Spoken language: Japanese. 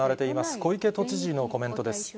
小池都知事のコメントです。